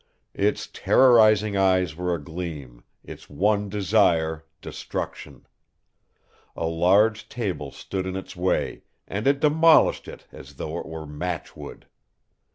Its terrorizing eyes were agleam, its one desire destruction. A large table stood in its way and it demolished it as though it were matchwood.